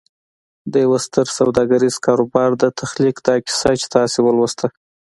د يوه ستر سوداګريز کاروبار د تخليق دا کيسه چې تاسې ولوسته.